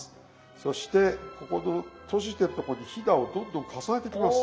そしてここの閉じてるとこにひだをどんどん重ねていきます。